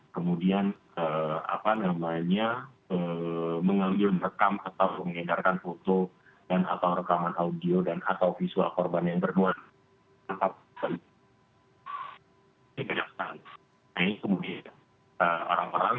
kemudian apa namanya mengambil rekam atau mengingatkan foto